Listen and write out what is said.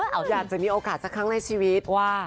เขาอยากจะมีโอกาสสักครั้งในชีวิตว่า